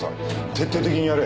徹底的にやれ！